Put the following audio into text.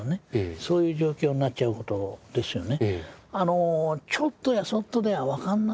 そういう状況になっちゃうことですよね。